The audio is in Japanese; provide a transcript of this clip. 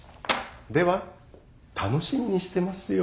では楽しみにしてますよ。